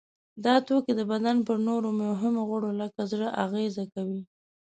دا توکي د بدن پر نورو مهمو غړو لکه زړه اغیزه کوي.